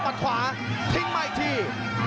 ขวาทิ้งมาอีกที